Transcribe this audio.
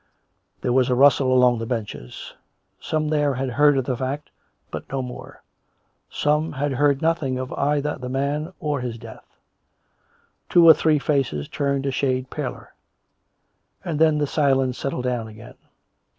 There was a rustle along the benches. Some there had heard of the fact, but no more; some had heard nothing of either the man or his death. Two or three faces turned a shade paler; and then the silence settled down again.